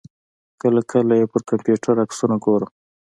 کله کله یې پر کمپیوټر عکسونه ګورم.